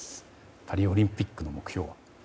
パリオリンピックの目標は？